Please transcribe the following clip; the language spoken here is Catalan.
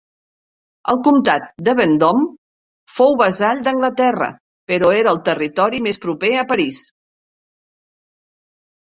El comtat de Vendôme fou vassall d'Anglaterra però era el territori més proper a París.